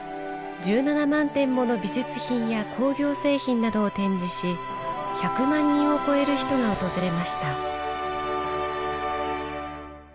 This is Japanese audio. １７万点もの美術品や工業製品などを展示し１００万人を超える人が訪れました。